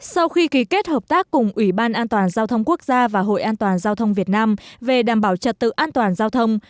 sau khi ký kết hợp tác cùng ủy ban an toàn giao thông quốc gia và hội an toàn giao thông việt nam về đảm bảo trật tự an toàn giao thông